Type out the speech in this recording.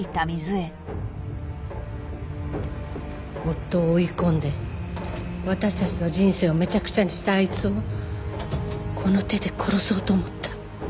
夫を追い込んで私たちの人生をめちゃくちゃにしたあいつをこの手で殺そうと思った。